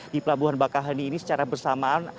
di pelabuhan bakaheni ini secara bersamaan